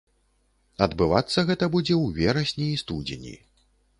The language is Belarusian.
Адбывацца гэта будзе ў верасні і студзені.